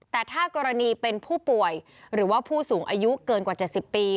แต่ถ้ากรณีเป็นผู้ป่วยหรือว่าผู้สูงอายุเกินกว่า๗๐ปี